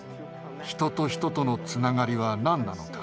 人と人とのつながりは何なのか。